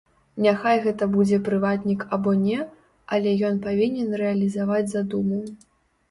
Няхай гэта будзе прыватнік або не, але ён павінен рэалізаваць задуму.